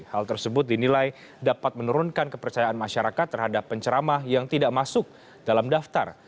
hal tersebut dinilai dapat menurunkan kepercayaan masyarakat terhadap penceramah yang tidak masuk dalam daftar